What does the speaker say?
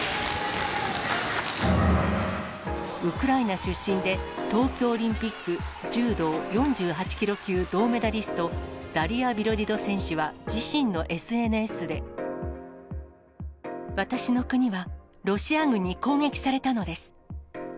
ウクライナ出身で、東京オリンピック柔道４８キロ級銅メダリスト、ダリア・ビロディド選手は、私の国は、ロシア軍に攻撃されたのです。